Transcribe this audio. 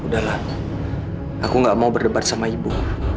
udahlah aku gak mau berdebat sama ibu